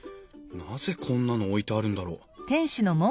なぜこんなの置いてあるんだろう？